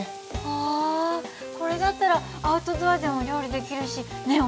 はあこれだったらアウトドアでも料理できるしねえ